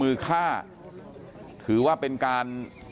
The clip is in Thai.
กลุ่มตัวเชียงใหม่